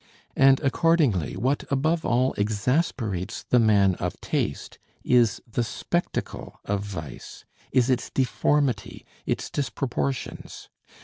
And accordingly what, above all, exasperates the man of taste is the spectacle of vice, is its deformity, its disproportions.